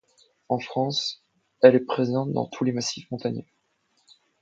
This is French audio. En France, elle est présente dans tous les massifs montagneux.